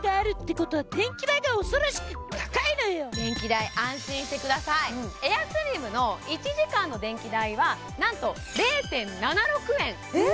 電気代安心してくださいうんエアスリムの１時間の電気代はなんと０．７６円え